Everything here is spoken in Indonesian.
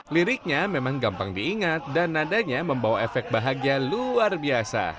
liriknya memang gampang diingat dan nadanya membawa efek bahagia luar biasa